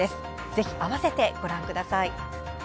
ぜひ合わせてご覧ください。